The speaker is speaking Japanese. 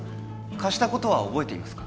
貸したことは覚えていますか？